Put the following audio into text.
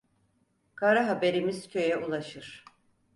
Kara haberimiz köye ulaşır.